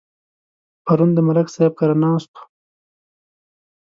پرون د ملک صاحب کره ناست وو.